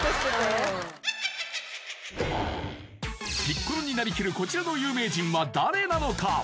ピッコロになりきるこちらの有名人は誰なのか？